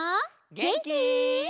げんき？